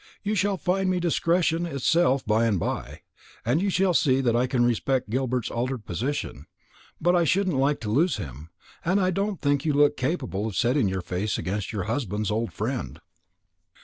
You shall find me discretion itself by and by, and you shall see that I can respect Gilbert's altered position; but I shouldn't like to lose him, and I don't think you look capable of setting your face against your husband's old friend."